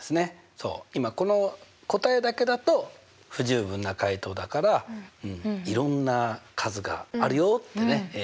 そう今この答えだけだと不十分な解答だからいろんな数があるよってね。